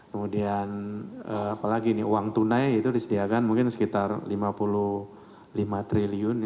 kemudian apalagi nih uang tunai itu disediakan mungkin sekitar rp lima puluh lima triliun